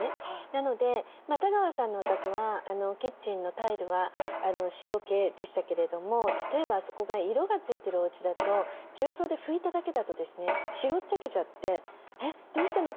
なので多川さんのお宅はキッチンのタイルは白系でしたけれども例えばあそこが色が付いてるおうちだと重曹で拭いただけだとですね白っちゃけちゃって「えっどうしたの？